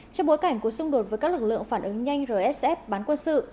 trong bối cảnh cuộc xung đột với các lực lượng phản ứng nhanh rsf bán quân sự